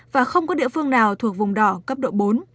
và không có địa phương nào thuộc vùng đỏ cấp độ bốn